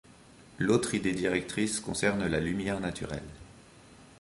L’autre idée directrice concerne la lumière naturelle.